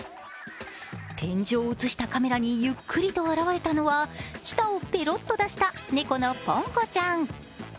天井を映したカメラにゆっくりと現れたのは舌をぺろっと出した猫のポン子ちゃん。